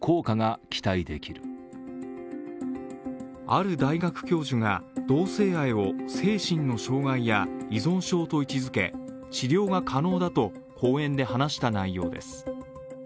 ある大学教授が同性愛を精神の障害や依存症と位置づけ治療が可能だと講演で話した内容です。